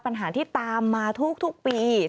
ปัญหาที่ตามมาทุกปี